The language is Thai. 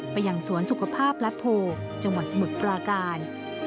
ไปยังสวนสุขภาพพระราณพระราชโพจังหวัดสมุทรปราการ